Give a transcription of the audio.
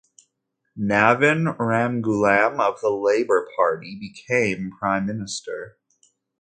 Navin Ramgoolam of the Labour Party became Prime Minister.